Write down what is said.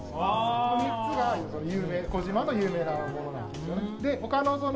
この３つが児島の有名なものなんです。